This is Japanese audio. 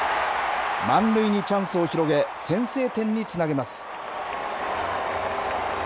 満塁にチャンスを広げ、先制点につなげます。